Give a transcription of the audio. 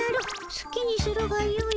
すきにするがよい。